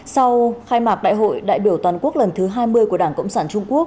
sau khai mạc đại hội đại biểu toàn quốc lần thứ hai mươi của đảng cộng sản trung quốc